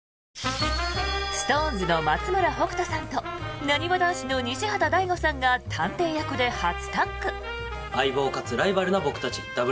ＳｉｘＴＯＮＥＳの松村北斗さんとなにわ男子の西畑大吾さんが探偵役で初タッグ！